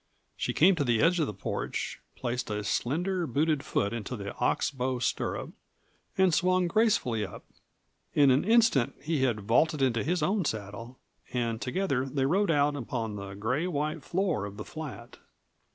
She came to the edge of the porch, placed a slender, booted foot into the ox bow stirrup, and swung gracefully up. In an instant he had vaulted into his own saddle, and together they rode out upon the gray white floor of the flat.